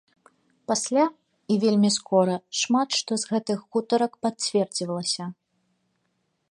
Пасля, і вельмі скора, шмат што з гэтых гутарак пацвердзілася.